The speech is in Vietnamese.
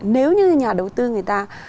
nếu như nhà đầu tư người ta